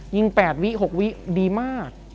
๘วิ๖วิดีมาก